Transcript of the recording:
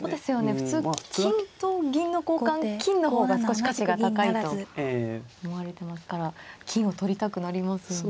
普通金と銀の交換金の方が少し価値が高いと思われてますから金を取りたくなりますよね。